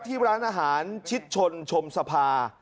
ที่ร้านอาหารชิดชนชมสภา